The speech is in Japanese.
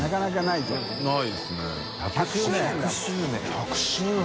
１００周年。